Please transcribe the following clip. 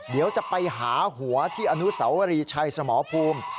เดี๋ยวจะไปหาหัวที่อนุสาวรีชัยสมภูมิ